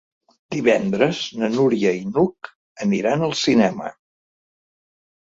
Divendres na Núria i n'Hug aniran al cinema.